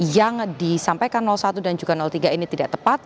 yang disampaikan satu dan juga tiga ini tidak tepat